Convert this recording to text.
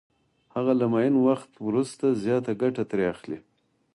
هغه له معین وخت وروسته زیاته ګټه ترې اخلي